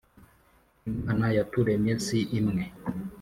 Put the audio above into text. Imana yaturemye si imwe?